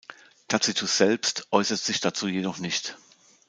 Tacitus selbst äußert sich dazu jedoch nicht.